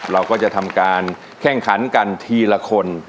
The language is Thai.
เราก็จะทำการแข่งขันกันทีละคน